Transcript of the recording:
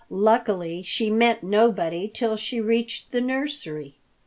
Luckily she met nobody till she reached the nursery.